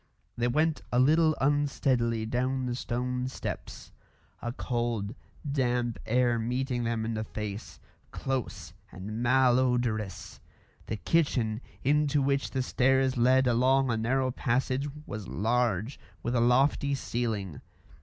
They went a little unsteadily down the stone steps, a cold, damp air meeting them in the face, close and mal odorous. The kitchen, into which the stairs led along a narrow passage, was large, with a lofty ceiling.